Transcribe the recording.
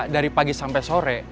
dari pagi sampai sore